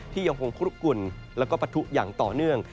ที่ยังคงคลุกกุ่นและประทุอย่างต่อเนื่อง